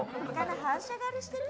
反射があれしてる？